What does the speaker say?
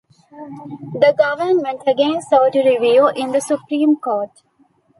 The government again sought review in the Supreme Court.